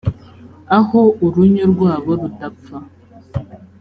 aho urunyo rwabo rudapfa